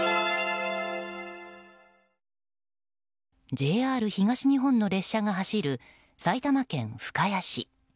ＪＲ東日本の列車が走る埼玉県深谷市。